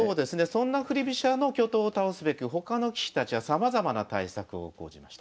そんな振り飛車の巨頭を倒すべく他の棋士たちはさまざまな対策を講じました。